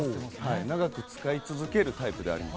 長く使い続けるタイプではあります。